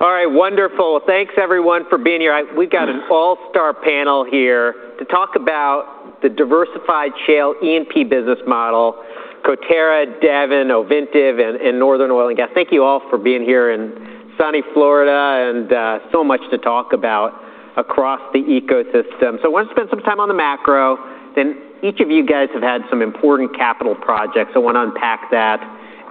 All right, wonderful. Thanks, everyone, for being here. We've got an all-star panel here to talk about the diversified shale E&P business model: Coterra, Devon, Ovintiv, and Northern Oil and Gas. Thank you all for being here in sunny Florida, and so much to talk about across the ecosystem. So I wanted to spend some time on the macro. Then each of you guys have had some important capital projects. I want to unpack that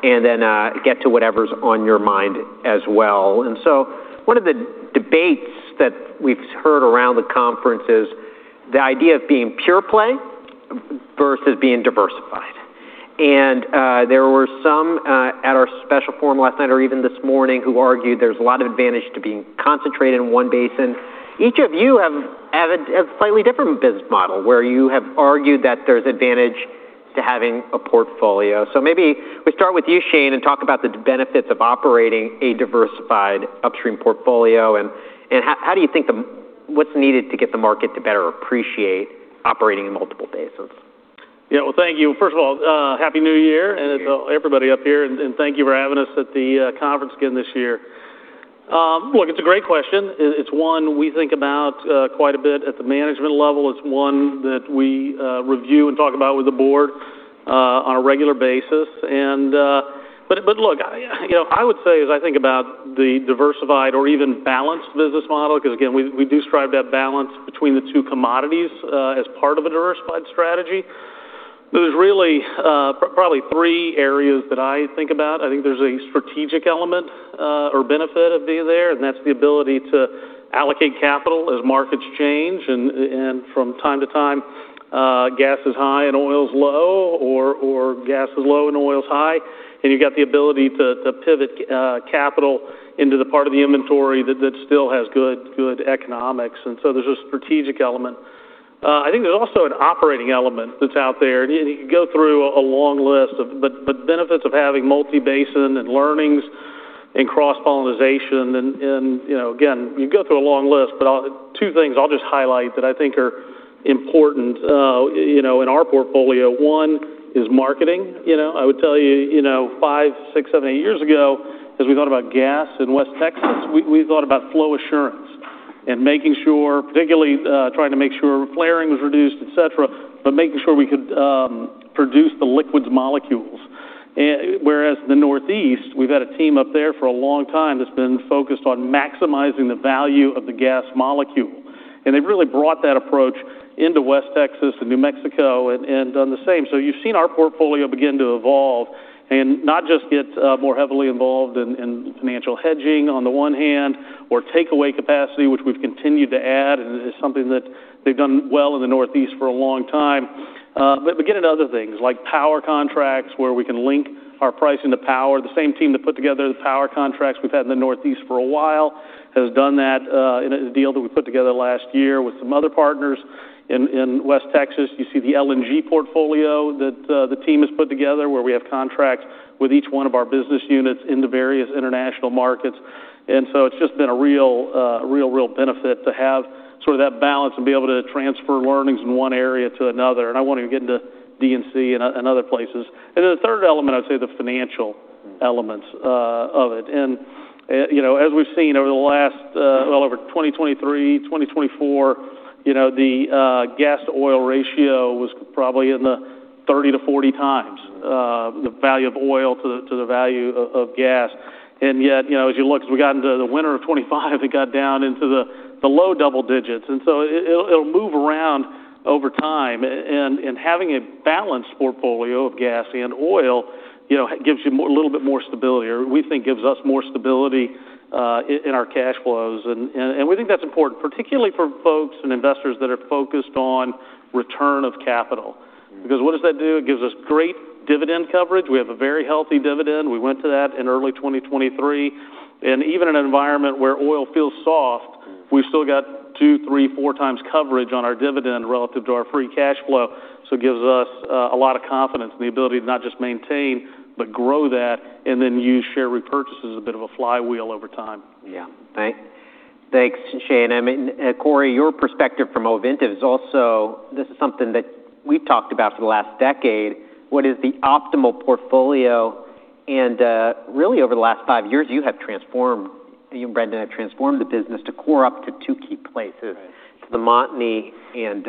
and then get to whatever's on your mind as well. And so one of the debates that we've heard around the conference is the idea of being pure play versus being diversified. And there were some at our special forum last night or even this morning who argued there's a lot of advantage to being concentrated in one basin. Each of you have a slightly different business model, where you have argued that there's advantage to having a portfolio. So maybe we start with you, Shane, and talk about the benefits of operating a diversified upstream portfolio. And how do you think what's needed to get the market to better appreciate operating in multiple basins? Yeah, well, thank you. First of all, happy New Year and to everybody up here and thank you for having us at the conference again this year. Look, it's a great question. It's one we think about quite a bit at the management level. It's one that we review and talk about with the board on a regular basis, but look, I would say, as I think about the diversified or even balanced business model, because again, we do strive to have balance between the two commodities as part of a diversified strategy. There's really probably three areas that I think about. I think there's a strategic element or benefit of being there, and that's the ability to allocate capital as markets change, and from time to time, gas is high and oil's low, or gas is low and oil's high. And you've got the ability to pivot capital into the part of the inventory that still has good economics. And so there's a strategic element. I think there's also an operating element that's out there. And you can go through a long list of the benefits of having multibasin and learnings and cross-pollination. And again, you can go through a long list, but two things I'll just highlight that I think are important in our portfolio. One is marketing. I would tell you five, six, seven, eight years ago, as we thought about gas in West Texas, we thought about flow assurance and making sure, particularly trying to make sure flaring was reduced, et cetera, but making sure we could produce the liquids molecules. Whereas in the Northeast, we've had a team up there for a long time that's been focused on maximizing the value of the gas molecule. They've really brought that approach into West Texas and New Mexico and done the same. You've seen our portfolio begin to evolve and not just get more heavily involved in financial hedging on the one hand, or takeaway capacity, which we've continued to add, and it's something that they've done well in the Northeast for a long time. Get into other things like power contracts, where we can link our pricing to power. The same team that put together the power contracts we've had in the Northeast for a while has done that in a deal that we put together last year with some other partners in West Texas. You see the LNG portfolio that the team has put together, where we have contracts with each one of our business units in the various international markets. And so it's just been a real, real, real benefit to have sort of that balance and be able to transfer learnings from one area to another. And I want to get into D&C and other places. And then the third element, I'd say the financial elements of it. And as we've seen over the last, well, over 2023, 2024, the gas to oil ratio was probably in the 30x-40x the value of oil to the value of gas. And yet, as you look, as we got into the winter of 2025, it got down into the low double digits. And so it'll move around over time. And having a balanced portfolio of gas and oil gives you a little bit more stability, or we think gives us more stability in our cash flows. And we think that's important, particularly for folks and investors that are focused on return of capital. Because what does that do? It gives us great dividend coverage. We have a very healthy dividend. We went to that in early 2023. And even in an environment where oil feels soft, we've still got two, three, 4x coverage on our dividend relative to our free cash flow. So it gives us a lot of confidence in the ability to not just maintain, but grow that, and then use share repurchase as a bit of a flywheel over time. Yeah. Thanks, Shane. And Corey, your perspective from Ovintiv is also, this is something that we've talked about for the last decade. What is the optimal portfolio? And really, over the last five years, you have transformed, you and Brendan have transformed the business to core up to two key places, to the Montney and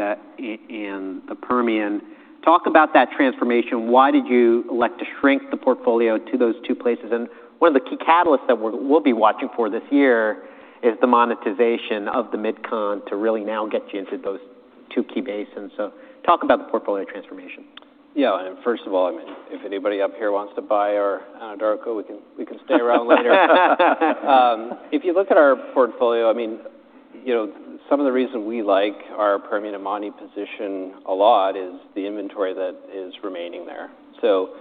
the Permian. Talk about that transformation. Why did you elect to shrink the portfolio to those two places? And one of the key catalysts that we'll be watching for this year is the monetization of the Mid-Con to really now get you into those two key basins. So talk about the portfolio transformation. Yeah. And first of all, if anybody up here wants to buy our Anadarko, we can stay around later. If you look at our portfolio, I mean, some of the reason we like our Permian and Montney position a lot is the inventory that is remaining there. So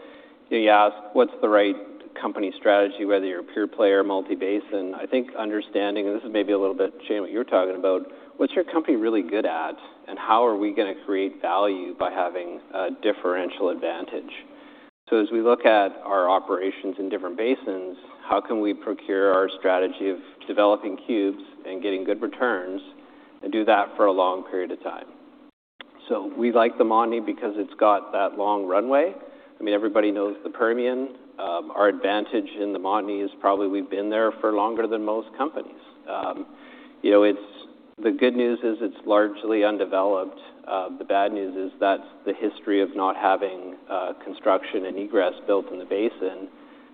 you ask, what's the right company strategy, whether you're a pure player, multibasin? I think understanding, and this is maybe a little bit, Shane, what you're talking about, what's your company really good at, and how are we going to create value by having a differential advantage? So as we look at our operations in different basins, how can we pursue our strategy of developing cubes and getting good returns and do that for a long period of time? So we like the Montney because it's got that long runway. I mean, everybody knows the Permian. Our advantage in the Montney is probably we've been there for longer than most companies. The good news is it's largely undeveloped. The bad news is that's the history of not having construction and egress built in the basin,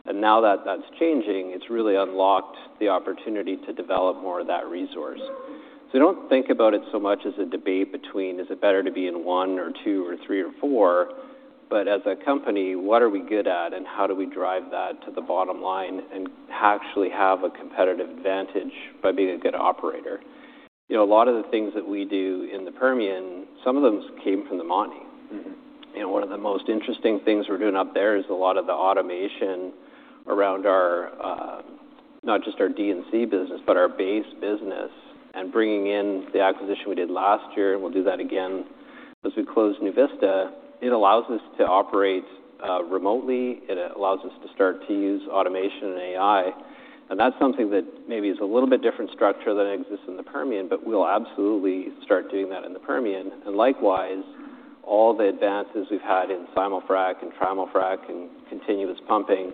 and now that that's changing, it's really unlocked the opportunity to develop more of that resource, so don't think about it so much as a debate between, is it better to be in one or two or three or four, but as a company, what are we good at, and how do we drive that to the bottom line and actually have a competitive advantage by being a good operator? A lot of the things that we do in the Permian, some of them came from the Montney. One of the most interesting things we're doing up there is a lot of the automation around not just our D&C business, but our base business and bringing in the acquisition we did last year, and we'll do that again as we close NuVista. It allows us to operate remotely. It allows us to start to use automation and AI. That's something that maybe is a little bit different structure than it exists in the Permian, but we'll absolutely start doing that in the Permian. Likewise, all the advances we've had in Simul-Frac and Trimul-Frac and continuous pumping,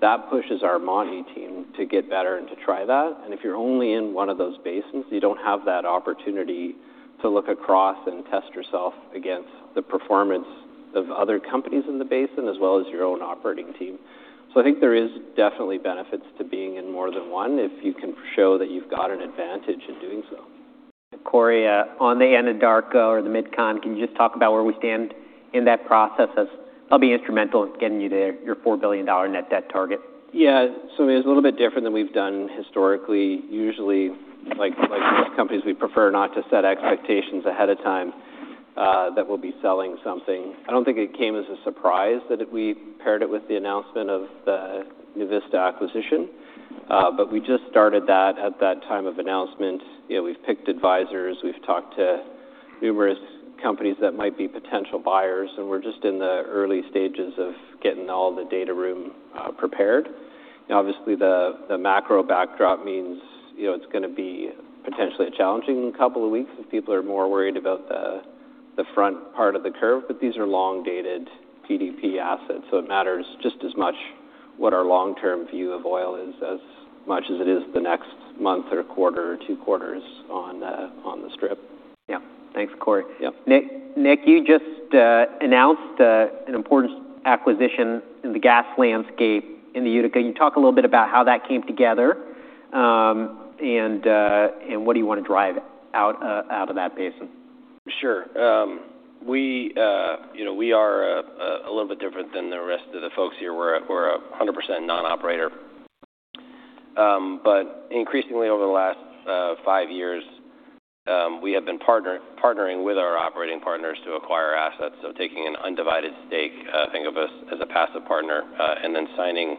that pushes our Montney team to get better and to try that. If you're only in one of those basins, you don't have that opportunity to look across and test yourself against the performance of other companies in the basin as well as your own operating team. So I think there is definitely benefits to being in more than one if you can show that you've got an advantage in doing so. Corey, on the Anadarko or the Mid-Continent, can you just talk about where we stand in that process? That'll be instrumental in getting you to your $4 billion net debt target. Yeah. So it's a little bit different than we've done historically. Usually, like most companies, we prefer not to set expectations ahead of time that we'll be selling something. I don't think it came as a surprise that we paired it with the announcement of the NuVista acquisition. But we just started that at that time of announcement. We've picked advisors. We've talked to numerous companies that might be potential buyers. And we're just in the early stages of getting all the data room prepared. Obviously, the macro backdrop means it's going to be potentially a challenging couple of weeks if people are more worried about the front part of the curve. But these are long-dated PDP assets. So it matters just as much what our long-term view of oil is as much as it is the next month or quarter or two quarters on the strip. Yeah. Thanks, Corey. Nick, you just announced an important acquisition in the gas landscape in the Utica. Can you talk a little bit about how that came together and what do you want to drive out of that basin? Sure. We are a little bit different than the rest of the folks here. We're a 100% non-operator. But increasingly, over the last five years, we have been partnering with our operating partners to acquire assets. So taking an undivided stake, think of us as a passive partner, and then signing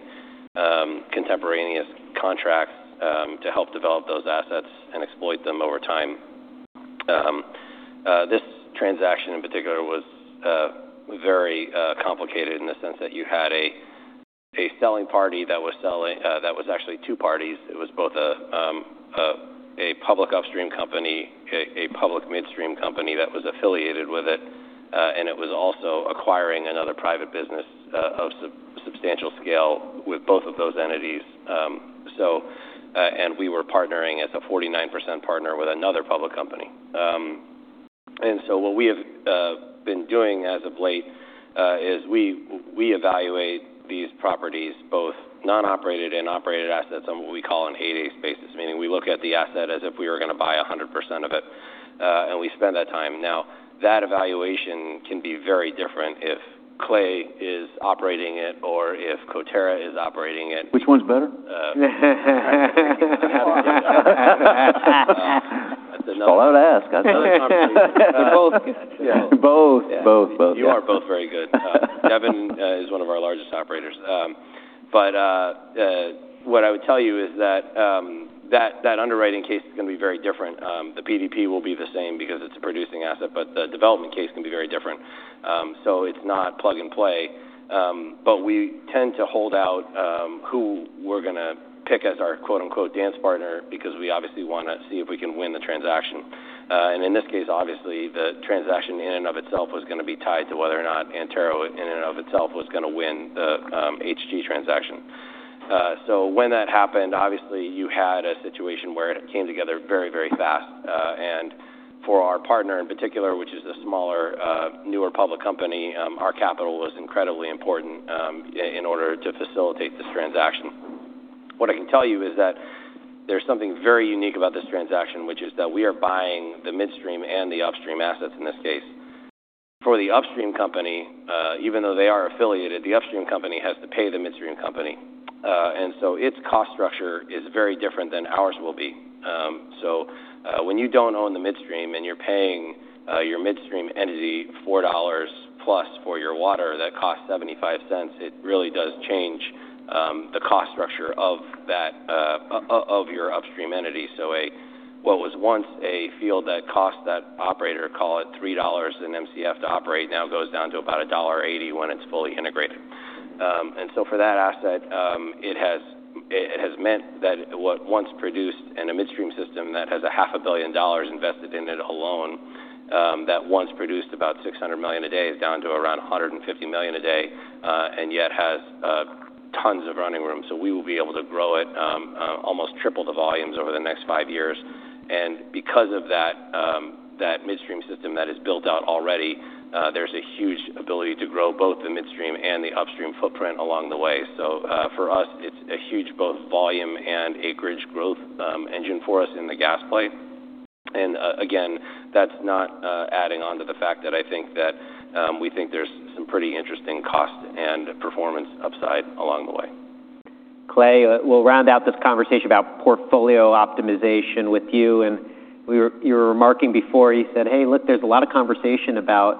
contemporaneous contracts to help develop those assets and exploit them over time. This transaction in particular was very complicated in the sense that you had a selling party that was actually two parties. It was both a public upstream company, a public midstream company that was affiliated with it, and it was also acquiring another private business of substantial scale with both of those entities. And we were partnering as a 49% partner with another public company. And so what we have been doing as of late is we evaluate these properties, both non-operated and operated assets, on what we call an 8/8 basis, meaning we look at the asset as if we were going to buy 100% of it. And we spend that time. Now, that evaluation can be very different if Clay is operating it or if Coterra is operating it. Which one's better? That's a loud ask. I thought it was. Both. Both. You are both very good. Devon is one of our largest operators. But what I would tell you is that that underwriting case is going to be very different. The PDP will be the same because it's a producing asset, but the development case can be very different. So it's not plug and play. But we tend to hold out who we're going to pick as our "dance partner" because we obviously want to see if we can win the transaction. And in this case, obviously, the transaction in and of itself was going to be tied to whether or not Antero in and of itself was going to win the HG transaction. So when that happened, obviously, you had a situation where it came together very, very fast. For our partner in particular, which is a smaller, newer public company, our capital was incredibly important in order to facilitate this transaction. What I can tell you is that there's something very unique about this transaction, which is that we are buying the midstream and the upstream assets in this case. For the upstream company, even though they are affiliated, the upstream company has to pay the midstream company. And so its cost structure is very different than ours will be. So when you don't own the midstream and you're paying your midstream entity $4+ for your water that costs $0.75, it really does change the cost structure of your upstream entity. So what was once a field that cost that operator, call it $3/MCF to operate, now goes down to about $1.80/MCF when it's fully integrated. And so for that asset, it has meant that what once produced in a midstream system that has $500 million invested in it alone, that once produced about 600 million a day is down to around 150 million a day, and yet has tons of running room. So we will be able to grow it almost triple the volumes over the next five years. And because of that midstream system that is built out already, there's a huge ability to grow both the midstream and the upstream footprint along the way. So for us, it's a huge both volume and EBITDA growth engine for us in the gas play. And again, that's not adding on to the fact that I think that we think there's some pretty interesting cost and performance upside along the way. Clay, we'll round out this conversation about portfolio optimization with you. And you were remarking before, you said, "Hey, look, there's a lot of conversation about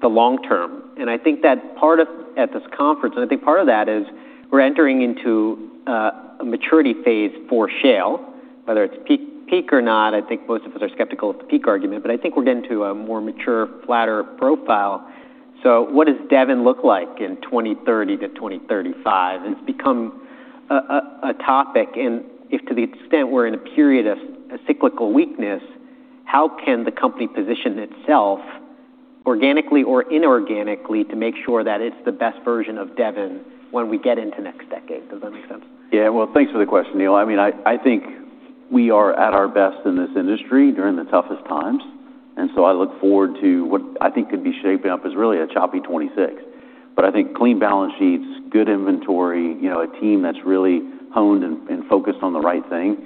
the long term." And I think that part of it at this conference, and I think part of that is we're entering into a maturity phase for shale, whether it's peak or not. I think most of us are skeptical of the peak argument, but I think we're getting to a more mature, flatter profile. So what does Devon look like in 2030-2035? It's become a topic. And if, to the extent we're in a period of cyclical weakness, how can the company position itself organically or inorganically to make sure that it's the best version of Devon when we get into next decade? Does that make sense? Yeah. Well, thanks for the question, Neil. I mean, I think we are at our best in this industry during the toughest times. And so I look forward to what I think could be shaping up as really a choppy 2026. But I think clean balance sheets, good inventory, a team that's really honed and focused on the right thing.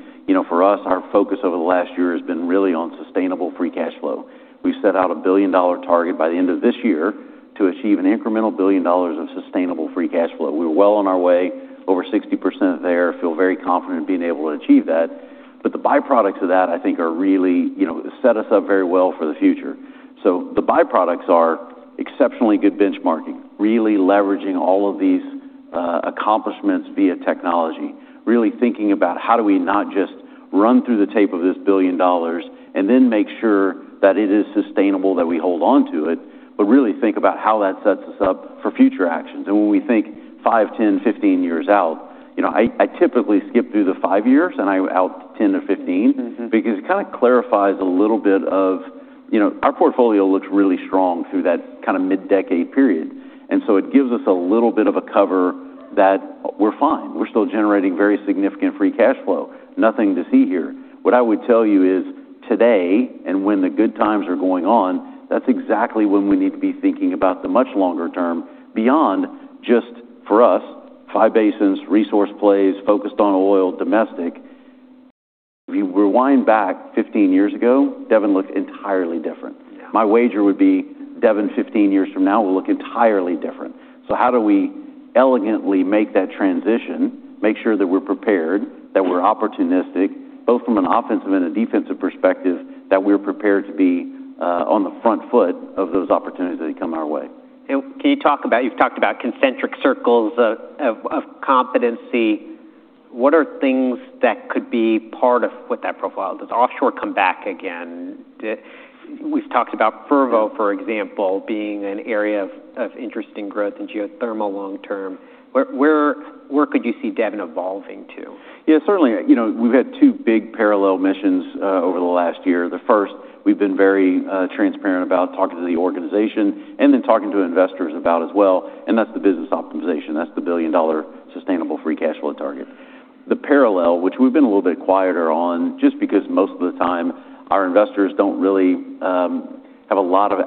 For us, our focus over the last year has been really on sustainable free cash flow. We've set out a $1 billion target by the end of this year to achieve an incremental $1 billion of sustainable free cash flow. We were well on our way, over 60% there, feel very confident in being able to achieve that. But the byproducts of that, I think, are really set us up very well for the future. The byproducts are exceptionally good benchmarking, really leveraging all of these accomplishments via technology, really thinking about how do we not just run through the tape of this $1 billion and then make sure that it is sustainable that we hold on to it, but really think about how that sets us up for future actions, and when we think five, 10, 15 years out, I typically skip through the five years and I'm out 10 or 15 because it kind of clarifies a little bit of our portfolio looks really strong through that kind of mid-decade period, and so it gives us a little bit of a cover that we're fine. We're still generating very significant free cash flow. Nothing to see here. What I would tell you is today and when the good times are going on, that's exactly when we need to be thinking about the much longer term beyond just for us, five basins, resource plays, focused on oil, domestic. If you rewind back 15 years ago, Devon looked entirely different. My wager would be Devon 15 years from now will look entirely different. So how do we elegantly make that transition, make sure that we're prepared, that we're opportunistic, both from an offensive and a defensive perspective, that we're prepared to be on the front foot of those opportunities that come our way? Can you talk about? You've talked about concentric circles of competency. What are things that could be part of what that profile does? Offshore come back again. We've talked about Fervo, for example, being an area of interesting growth in geothermal long term. Where could you see Devon evolving to? Yeah, certainly. We've had two big parallel missions over the last year. The first, we've been very transparent about talking to the organization and then talking to investors about as well. And that's the business optimization. That's the $1 billion sustainable free cash flow target. The parallel, which we've been a little bit quieter on, just because most of the time our investors don't really have a lot of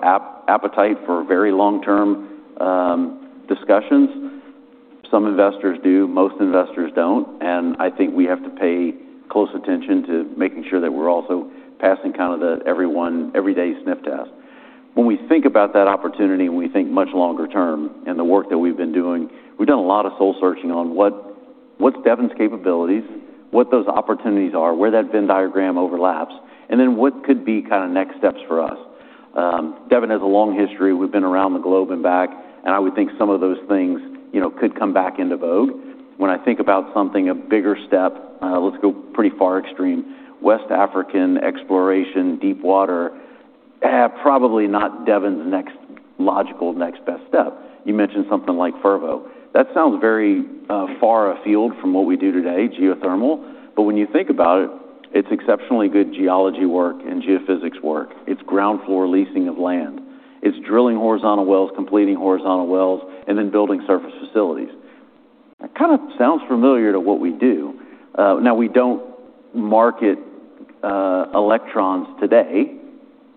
appetite for very long-term discussions. Some investors do. Most investors don't. And I think we have to pay close attention to making sure that we're also passing kind of the everyone everyday sniff test. When we think about that opportunity, when we think much longer term and the work that we've been doing, we've done a lot of soul searching on what's Devon's capabilities, what those opportunities are, where that Venn diagram overlaps, and then what could be kind of next steps for us. Devon has a long history. We've been around the globe and back. I would think some of those things could come back into vogue. When I think about something, a bigger step, let's go pretty far extreme, West African exploration, deep water, probably not Devon's next logical next best step. You mentioned something like Fervo. That sounds very far afield from what we do today, geothermal. But when you think about it, it's exceptionally good geology work and geophysics work. It's ground floor leasing of land. It's drilling horizontal wells, completing horizontal wells, and then building surface facilities. That kind of sounds familiar to what we do. Now, we don't market electrons today,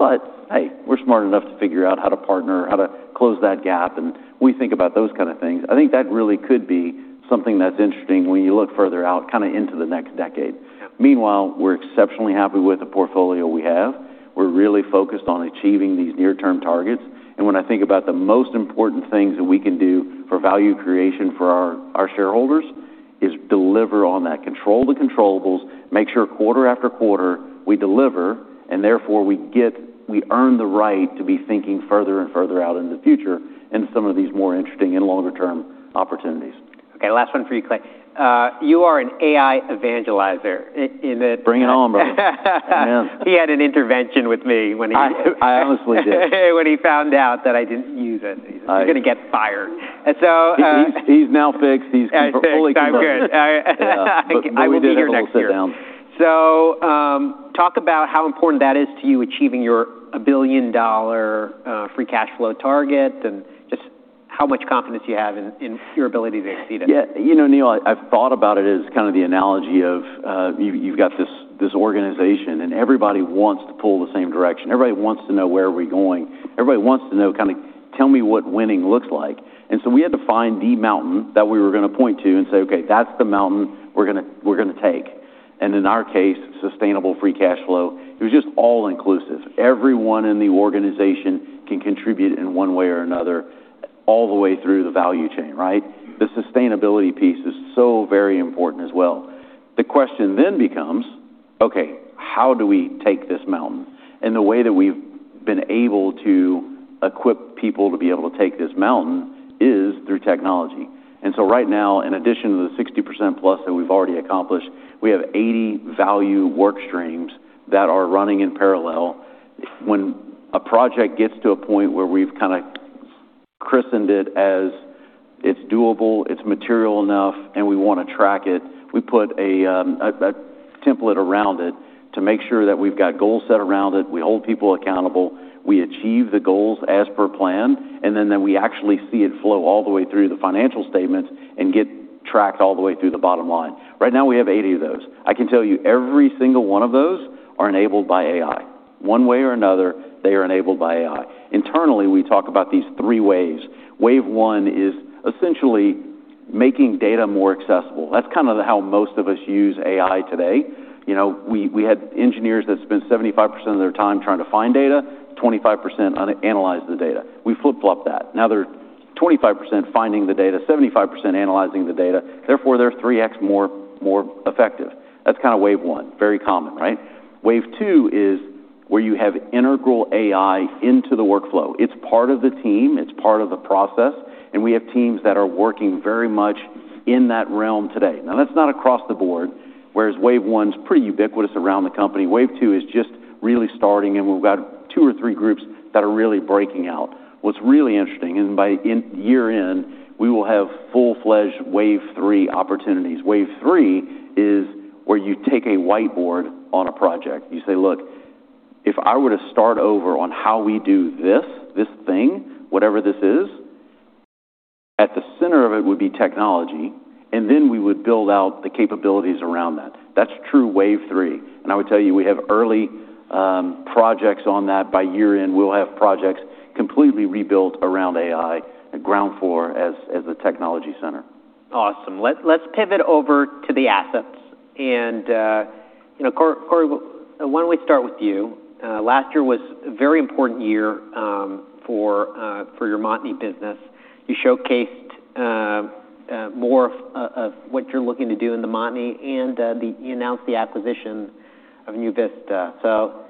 but hey, we're smart enough to figure out how to partner, how to close that gap. And we think about those kinds of things. I think that really could be something that's interesting when you look further out kind of into the next decade. Meanwhile, we're exceptionally happy with the portfolio we have. We're really focused on achieving these near-term targets. And when I think about the most important things that we can do for value creation for our shareholders is deliver on that, control the controllables. Make sure quarter after quarter we deliver, and therefore we earn the right to be thinking further and further out in the future in some of these more interesting and longer-term opportunities. Okay. Last one for you, Clay. You are an AI evangelizer. Bring it on, brother. He had an intervention with me when he. I honestly did. When he found out that I didn't use it. He's going to get fired. He's now fixed. He's fully converted. I will be here next year. So talk about how important that is to you, achieving your $1 billion free cash flow target and just how much confidence you have in your ability to exceed it. Yeah. You know, Neil, I've thought about it as kind of the analogy of you've got this organization and everybody wants to pull the same direction. Everybody wants to know where we're going. Everybody wants to know kind of tell me what winning looks like. And so we had to find the mountain that we were going to point to and say, "Okay, that's the mountain we're going to take." And in our case, sustainable free cash flow, it was just all-inclusive. Everyone in the organization can contribute in one way or another all the way through the value chain, right? The sustainability piece is so very important as well. The question then becomes, "Okay, how do we take this mountain?" And the way that we've been able to equip people to be able to take this mountain is through technology. And so right now, in addition to the 60% plus that we've already accomplished, we have 80 value workstreams that are running in parallel. When a project gets to a point where we've kind of christened it as it's doable, it's material enough, and we want to track it, we put a template around it to make sure that we've got goals set around it. We hold people accountable. We achieve the goals as per plan. And then we actually see it flow all the way through the financial statements and get tracked all the way through the bottom line. Right now, we have 80 of those. I can tell you every single one of those are enabled by AI. One way or another, they are enabled by AI. Internally, we talk about these three waves. Wave one is essentially making data more accessible. That's kind of how most of us use AI today. We had engineers that spent 75% of their time trying to find data, 25% analyze the data. We flip-flopped that. Now they're 25% finding the data, 75% analyzing the data. Therefore, they're 3x more effective. That's kind of wave one. Very common, right? Wave two is where you have integrate AI into the workflow. It's part of the team. It's part of the process. And we have teams that are working very much in that realm today. Now, that's not across the board, whereas wave one is pretty ubiquitous around the company. Wave two is just really starting, and we've got two or three groups that are really breaking out. What's really interesting is by year-end, we will have full-fledged wave three opportunities. Wave three is where you take a whiteboard on a project. You say, "Look, if I were to start over on how we do this, this thing, whatever this is, at the center of it would be technology, and then we would build out the capabilities around that." That's true wave three. And I would tell you we have early projects on that. By year-end, we'll have projects completely rebuilt around AI and ground floor as the technology center. Awesome. Let's pivot over to the assets, and Corey, why don't we start with you? Last year was a very important year for your Montney business. You showcased more of what you're looking to do in the Montney, and you announced the acquisition of NuVista. So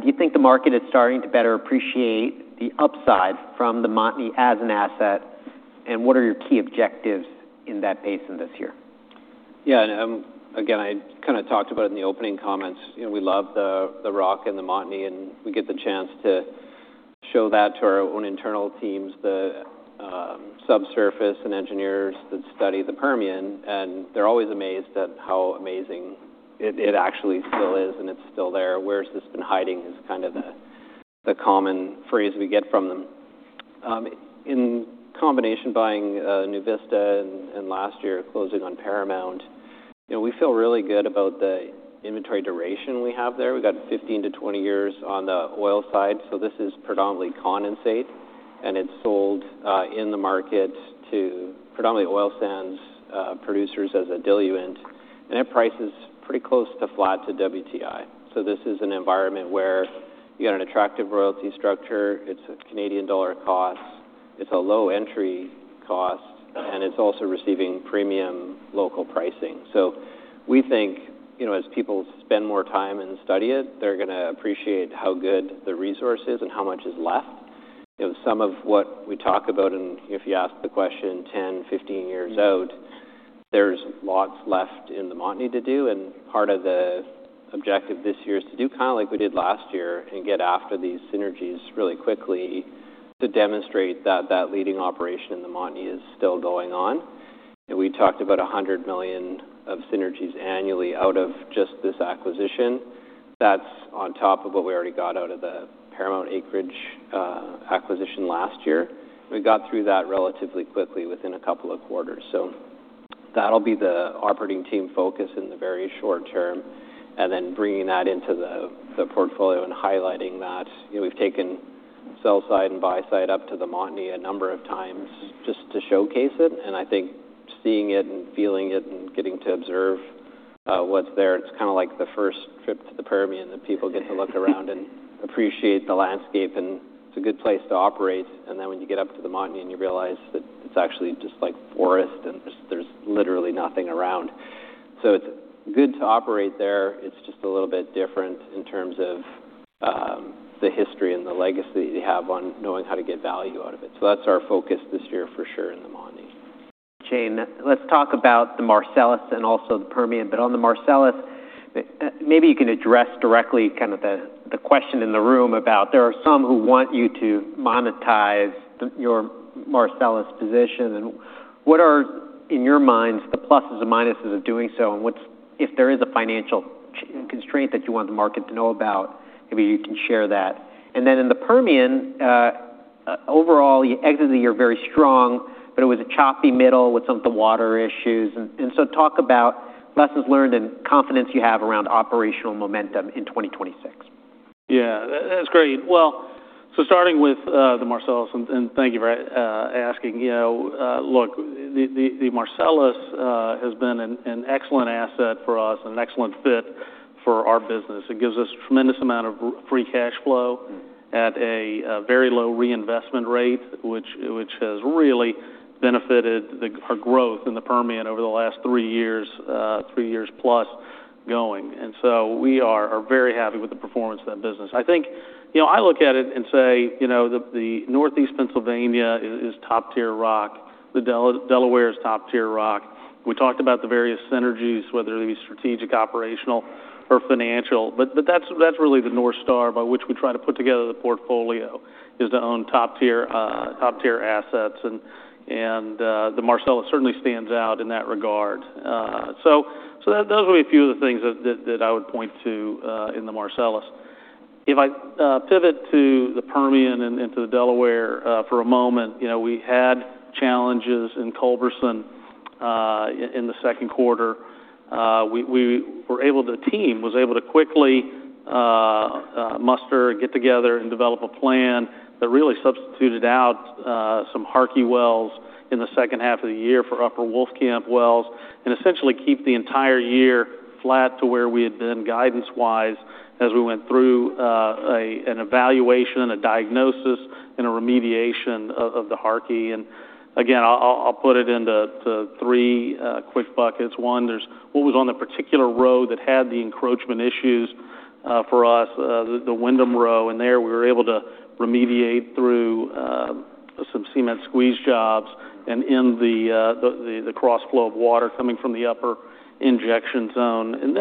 do you think the market is starting to better appreciate the upside from the Montney as an asset, and what are your key objectives in that place in this year? Yeah. Again, I kind of talked about it in the opening comments. We love the rock and the Montney, and we get the chance to show that to our own internal teams, the subsurface and engineers that study the Permian. And they're always amazed at how amazing it actually still is and it's still there. "Where's this been hiding?" is kind of the common phrase we get from them. In combination, buying NuVista and last year closing on Paramount, we feel really good about the inventory duration we have there. We got 15 to 20 years on the oil side. So this is predominantly condensate, and it's sold in the market to predominantly oil sands producers as a diluent. And that price is pretty close to flat to WTI. So this is an environment where you got an attractive royalty structure. It's a Canadian dollar cost. It's a low entry cost, and it's also receiving premium local pricing. So we think as people spend more time and study it, they're going to appreciate how good the resource is and how much is left. Some of what we talk about, and if you ask the question 10, 15 years out, there's lots left in the Montney to do. Part of the objective this year is to do kind of like we did last year and get after these synergies really quickly to demonstrate that that leading operation in the Montney is still going on. We talked about $100 million of synergies annually out of just this acquisition. That's on top of what we already got out of the Paramount Acreage acquisition last year. We got through that relatively quickly within a couple of quarters. So that'll be the operating team focus in the very short term. And then bringing that into the portfolio and highlighting that we've taken sell side and buy side up to the Montney a number of times just to showcase it. And I think seeing it and feeling it and getting to observe what's there, it's kind of like the first trip to the Permian that people get to look around and appreciate the landscape. And it's a good place to operate. And then when you get up to the Montney, you realize that it's actually just like forest and there's literally nothing around. So it's good to operate there. It's just a little bit different in terms of the history and the legacy they have on knowing how to get value out of it. So that's our focus this year for sure in the Montney. Shane, let's talk about the Marcellus and also the Permian. But on the Marcellus, maybe you can address directly kind of the question in the room about there are some who want you to monetize your Marcellus position. And what are, in your minds, the pluses and minuses of doing so? And if there is a financial constraint that you want the market to know about, maybe you can share that. And then in the Permian, overall, you exited the year very strong, but it was a choppy middle with some of the water issues. And so talk about lessons learned and confidence you have around operational momentum in 2026. Yeah, that's great. Well, so starting with the Marcellus, and thank you for asking. Look, the Marcellus has been an excellent asset for us and an excellent fit for our business. It gives us a tremendous amount of free cash flow at a very low reinvestment rate, which has really benefited our growth in the Permian over the last three years, 3 years+ going. And so we are very happy with the performance of that business. I think I look at it and say the Northeast Pennsylvania is top-tier rock. The Delaware is top-tier rock. We talked about the various synergies, whether they be strategic, operational, or financial. But that's really the North Star by which we try to put together the portfolio is to own top-tier assets. And the Marcellus certainly stands out in that regard. Those would be a few of the things that I would point to in the Marcellus. If I pivot to the Permian and to the Delaware for a moment, we had challenges in Culberson in the second quarter. The team was able to quickly muster and get together and develop a plan that really substituted out some Harkey wells in the second half of the year for Upper Wolfcamp wells and essentially keep the entire year flat to where we had been guidance-wise as we went through an evaluation, a diagnosis, and a remediation of the Harkey. And again, I'll put it into three quick buckets. One, there's what was on the particular row that had the encroachment issues for us, the Windham row. And there we were able to remediate through some cement squeeze jobs and in the crossflow of water coming from the upper injection zone.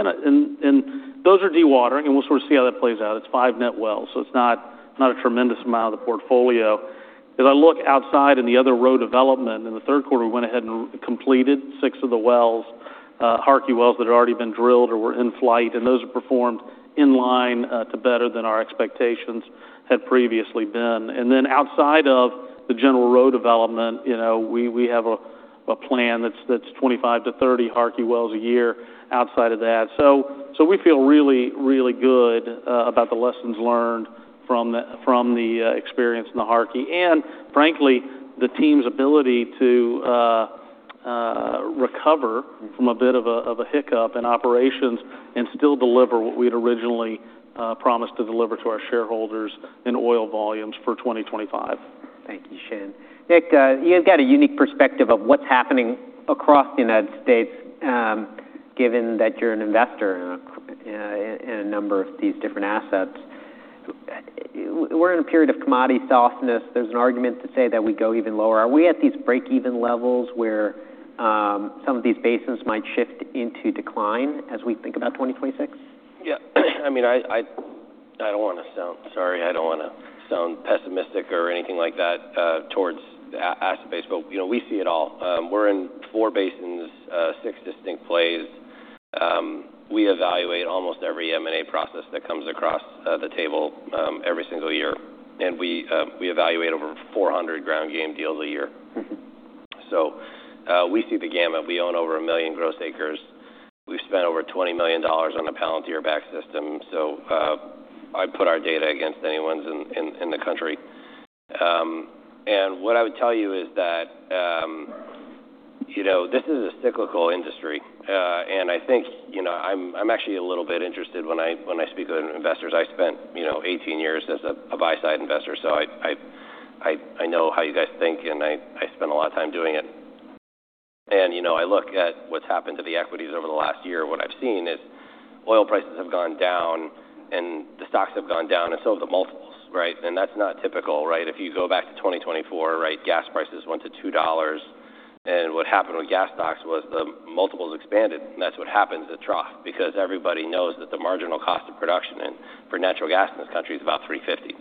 Those are dewatering, and we'll sort of see how that plays out. It's five net wells, so it's not a tremendous amount of the portfolio. As I look outside in the other row development, in the third quarter, we went ahead and completed six of the wells, Harkey wells that had already been drilled or were in flight. And those are performed in line to better than our expectations had previously been. And then outside of the general row development, we have a plan that's 25 to 30 Harkey wells a year outside of that. So we feel really, really good about the lessons learned from the experience in the Harkey. And frankly, the team's ability to recover from a bit of a hiccup in operations and still deliver what we had originally promised to deliver to our shareholders in oil volumes for 2025. Thank you, Shane. Nick, you've got a unique perspective of what's happening across the United States given that you're an investor in a number of these different assets. We're in a period of commodity softness. There's an argument to say that we go even lower. Are we at these break-even levels where some of these basins might shift into decline as we think about 2026? Yeah. I mean, I don't want to sound sorry. I don't want to sound pessimistic or anything like that towards asset-based, but we see it all. We're in four basins, six distinct plays. We evaluate almost every M&A process that comes across the table every single year, and we evaluate over 400 ground game deals a year, so we see the gamut. We own over a million gross acres. We've spent over $20 million on a Palantir-backed system, so I put our data against anyone's in the country, and what I would tell you is that this is a cyclical industry, and I think I'm actually a little bit interested when I speak with investors. I spent 18 years as a buy-side investor, so I know how you guys think, and I spent a lot of time doing it. I look at what's happened to the equities over the last year. What I've seen is oil prices have gone down, and the stocks have gone down, and so have the multiples, right? That's not typical, right? If you go back to 2024, right, gas prices went to $2. What happened with gas stocks was the multiples expanded. That's what happens at trough because everybody knows that the marginal cost of production for natural gas in this country is about $3.50.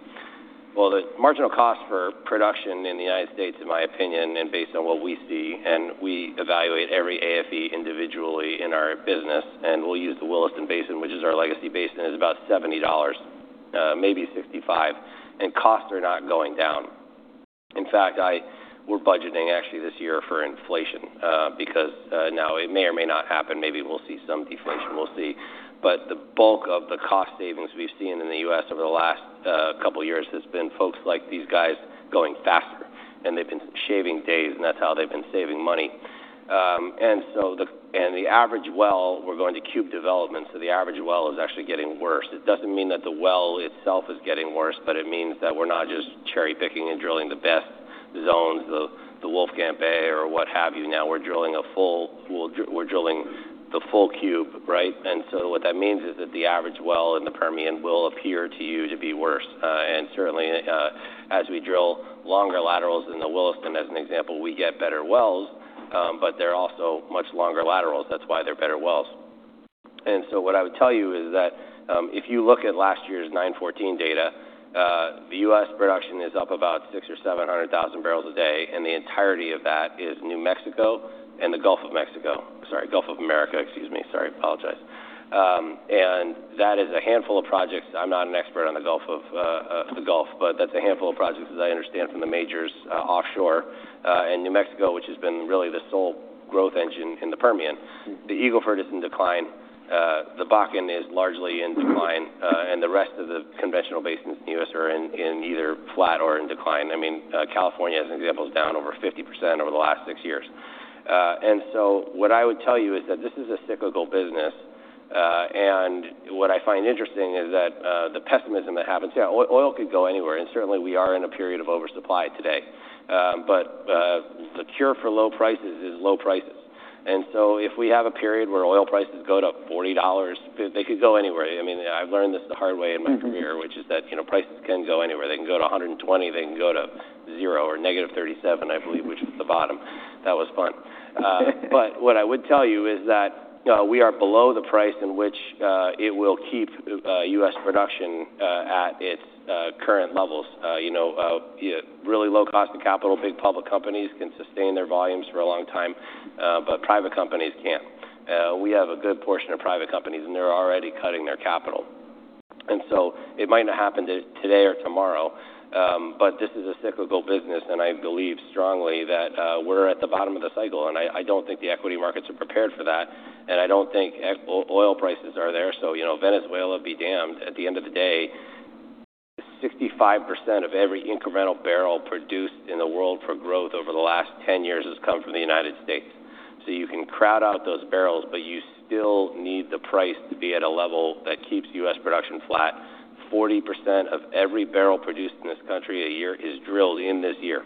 Well, the marginal cost for production in the United States, in my opinion, and based on what we see, and we evaluate every AFE individually in our business, and we'll use the Williston Basin, which is our legacy basin, is about $70, maybe $65. Costs are not going down. In fact, we're budgeting actually this year for inflation because now it may or may not happen. Maybe we'll see some deflation. We'll see, but the bulk of the cost savings we've seen in the U.S. over the last couple of years has been folks like these guys going faster, and they've been shaving days, and that's how they've been saving money, and the average well, we're going to Cube Developments, so the average well is actually getting worse. It doesn't mean that the well itself is getting worse, but it means that we're not just cherry-picking and drilling the best zones, the Wolfcamp A or what have you. Now we're drilling a full, we're drilling the full Cube, right, and so what that means is that the average well in the Permian will appear to you to be worse. Certainly, as we drill longer laterals in the Williston, as an example, we get better wells, but they're also much longer laterals. That's why they're better wells. And so what I would tell you is that if you look at last year's 914 data, the US production is up about 600,000 bpd or 700,000 bpd. And the entirety of that is New Mexico and the Gulf of Mexico, sorry, Gulf of America, excuse me. Sorry, apologize. And that is a handful of projects. I'm not an expert on the Gulf of Mexico, but that's a handful of projects as I understand from the majors offshore. And New Mexico, which has been really the sole growth engine in the Permian, the Eagle Ford decline. The Bakken is largely in decline. And the rest of the conventional basins in the U.S. are in either flat or in decline. I mean, California, as an example, is down over 50% over the last six years. And so what I would tell you is that this is a cyclical business. And what I find interesting is that the pessimism that happens, yeah, oil could go anywhere. And certainly, we are in a period of oversupply today. But the cure for low prices is low prices. And so if we have a period where oil prices go to $40, they could go anywhere. I mean, I've learned this the hard way in my career, which is that prices can go anywhere. They can go to $120. They can go to zero or -$37, I believe, which was the bottom. That was fun. But what I would tell you is that we are below the price in which it will keep U.S. production at its current levels. Really low cost of capital. Big public companies can sustain their volumes for a long time, but private companies can't. We have a good portion of private companies, and they're already cutting their capital. And so it might not happen today or tomorrow, but this is a cyclical business. And I believe strongly that we're at the bottom of the cycle. And I don't think the equity markets are prepared for that. And I don't think oil prices are there. So Venezuela, be damned. At the end of the day, 65% of every incremental barrel produced in the world for growth over the last 10 years has come from the United States. So you can crowd out those barrels, but you still need the price to be at a level that keeps U.S. production flat. 40% of every barrel produced in this country a year is drilled in this year.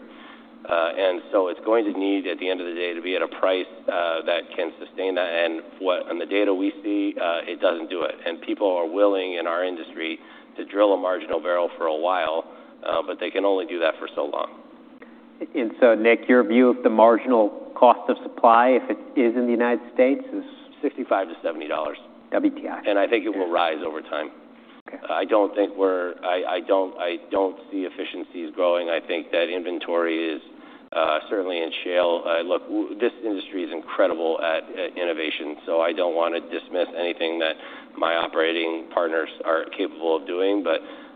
And so it's going to need, at the end of the day, to be at a price that can sustain that. And on the data we see, it doesn't do it. And people are willing in our industry to drill a marginal barrel for a while, but they can only do that for so long. And so, Nick, your view of the marginal cost of supply, if it is in the United States, is? $65-$70. WTI. I think it will rise over time. I don't see efficiencies growing. I think that inventory is certainly in shale. Look, this industry is incredible at innovation. I don't want to dismiss anything that my operating partners are capable of doing.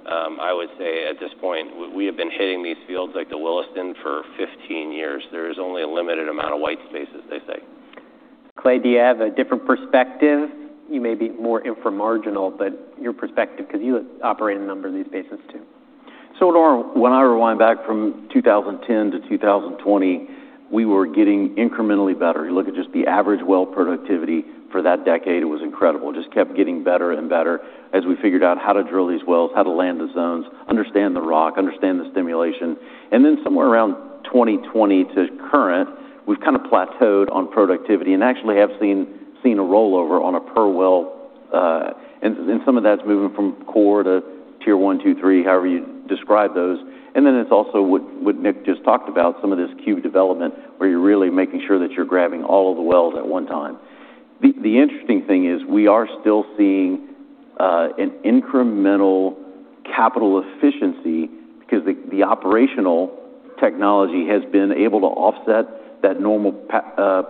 I would say at this point, we have been hitting these fields like the Williston for 15 years. There is only a limited amount of white space, as they say. Clay, do you have a different perspective? You may be more inframarginal, but your perspective, because you operate a number of these basins too. So when I rewind back from 2010-2020, we were getting incrementally better. You look at just the average well productivity for that decade, it was incredible. It just kept getting better and better as we figured out how to drill these wells, how to land the zones, understand the rock, understand the stimulation. And then somewhere around 2020 to current, we've kind of plateaued on productivity and actually have seen a rollover on a per well. And some of that's moving from core to tier one, two, three, however you describe those. And then it's also what Nick just talked about, some of this Cube Development where you're really making sure that you're grabbing all of the wells at one time. The interesting thing is we are still seeing an incremental capital efficiency because the operational technology has been able to offset that normal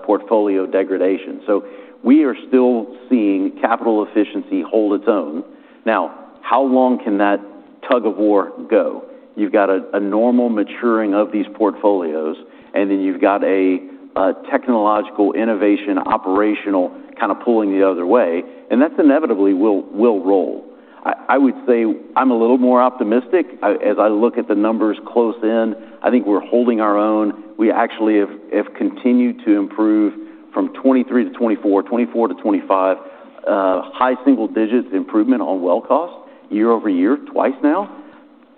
portfolio degradation. So we are still seeing capital efficiency hold its own. Now, how long can that tug of war go? You've got a normal maturing of these portfolios, and then you've got a technological innovation operational kind of pulling the other way. And that's inevitably will roll. I would say I'm a little more optimistic as I look at the numbers close in. I think we're holding our own. We actually have continued to improve from 2023-2024, 2024-2025, high single digits improvement on well cost year-over-year, twice now.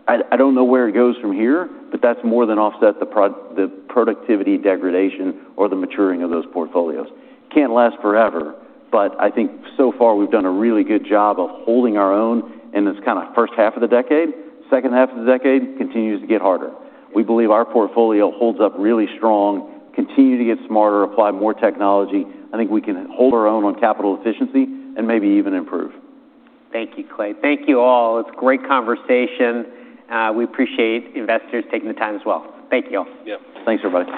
I don't know where it goes from here, but that's more than offset the productivity degradation or the maturing of those portfolios. Can't last forever, but I think so far we've done a really good job of holding our own in this kind of first half of the decade. Second half of the decade continues to get harder. We believe our portfolio holds up really strong, continue to get smarter, apply more technology. I think we can hold our own on capital efficiency and maybe even improve. Thank you, Clay. Thank you all. It's a great conversation. We appreciate investors taking the time as well. Thank you all. Yeah. Thanks everybody.